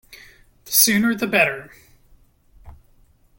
The sooner the better.